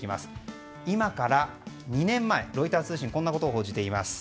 今から２年前ロイター通信こんなことを報じています。